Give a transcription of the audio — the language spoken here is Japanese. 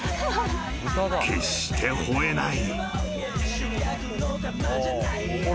決して吠えない］